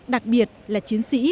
đặc biệt là chiến sĩ